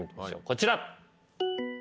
こちら。